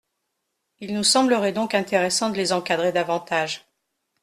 Il nous semblerait donc intéressant de les encadrer davantage.